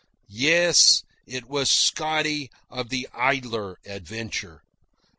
(Yes; it was Scotty of the Idler adventure.